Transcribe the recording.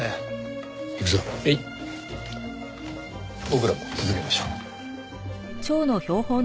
僕らも続けましょう。